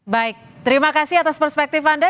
baik terima kasih atas perspektif anda